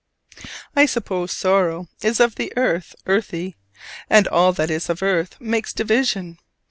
I suppose sorrow is of the earth earthy: and all that is of earth makes division.